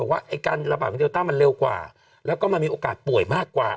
ว่าไอ้การระบาดของเลต้ามันเร็วกว่าแล้วก็มันมีโอกาสป่วยมากกว่า